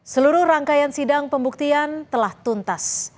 seluruh rangkaian sidang pembuktian telah tuntas